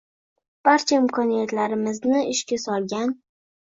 Barcha imkoniyatlarimizni ishga solgan